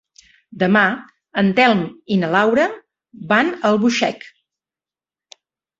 Demà en Telm i na Laura van a Albuixec.